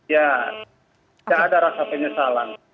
ya tidak ada rasa penyesalan